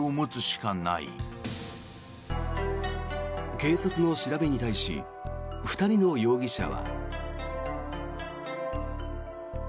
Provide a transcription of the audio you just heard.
警察の調べに対し２人の容疑者は。